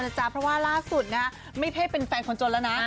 เพราะว่าล่าสุดไม่ที่เป็นแฟนของจน